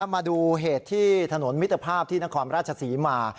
มาดูเหตุที่ถนนมิตรภาพที่นครราชศรีมา